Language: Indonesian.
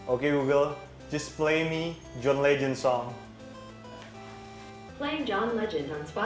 oke google siapa radina altaprawira cnn indonesia